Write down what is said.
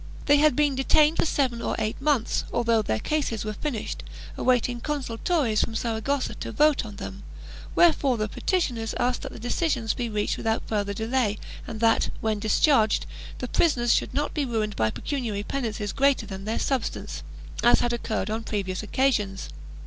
They had been detained for seven or eight months, although their cases were finished, awaiting consultores from Saragossa to vote on them, wherefore the petitioners asked that decisions be reached without further delay and that, when discharged, the prisoners should not be ruined by pecuniary penances greater than their substance, as had occurred on previous occasions.